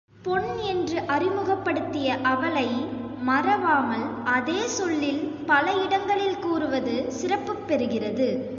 பொன் என்று அறிமுகப்படுத்திய அவளை மறவாமல் அதே சொல்லில் பல இடங்களில் கூறுவது சிறப்புப் பெறுகிறது.